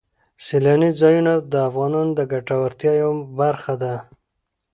سیلاني ځایونه د افغانانو د ګټورتیا یوه برخه ده.